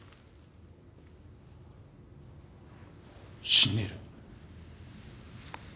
死んでる。